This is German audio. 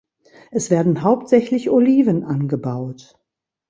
Es werden hauptsächlich Oliven angebaut.